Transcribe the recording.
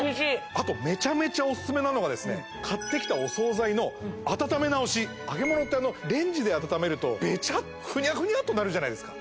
あとめちゃめちゃおすすめなのがですね買ってきたお総菜の温め直し揚げ物ってレンジで温めるとベチャッフニャフニャとなるじゃないですか